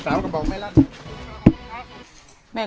มันก็ออกไหม